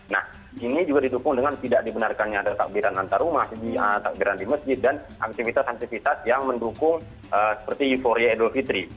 nah ini juga didukung dengan tidak dibenarkannya ada takbiran antar rumah takbiran di masjid dan aktivitas aktivitas yang mendukung seperti euforia idul fitri